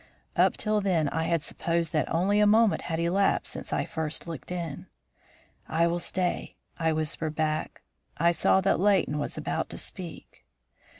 Up till then I had supposed that only a moment had elapsed since I first looked in. "I will stay," I whispered back. I saw that Leighton was about to speak.